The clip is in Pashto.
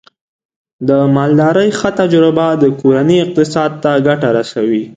د مالدارۍ ښه تجربه د کورنۍ اقتصاد ته ګټه رسوي.